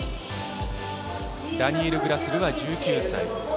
ダニエル・グラスルは１９歳。